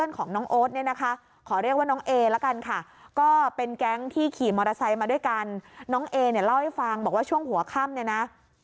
น้องเอละกันค่ะก็เป็นแก๊งที่ขี่มอเตอร์ไซส์มาด้วยกันน้องเอเนี่ยเล่าให้ฟังบอกว่าช่วงหัวค่ำเนี่ยนะ